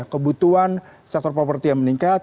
kebutuhan sektor properti yang meningkat